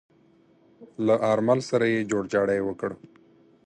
له آرمل سره يې جوړجاړی وکړ.